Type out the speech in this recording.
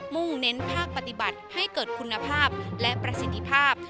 ่งเน้นภาคปฏิบัติให้เกิดคุณภาพและประสิทธิภาพ